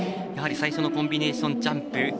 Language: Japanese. やはり最初のコンビネーションジャンプ。